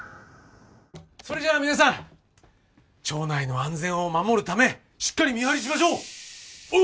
それじゃあ皆さん町内の安全を守るためしっかり見張りしましょう！